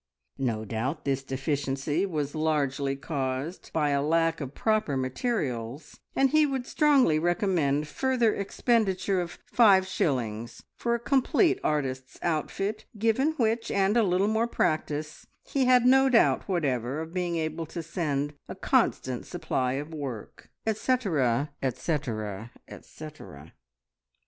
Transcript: No doubt this deficiency was largely caused by a lack of proper materials, and he would strongly recommend further expenditure of five shillings, for a complete artist's outfit, given which, and a little more practice, he had no doubt whatever of being able to send a constant supply of work, etcetera, etcetera, etcetera.